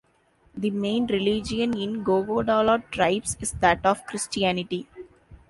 The main religion in Gogodala tribes is that of Christianity.